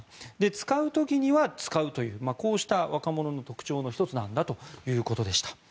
使う時には使うというこうした、若者の特徴の１つなんだということでした。